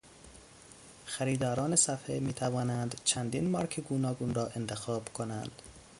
خریداران صفحه میتوانند چندین مارک گوناگون را انتخاب کنند.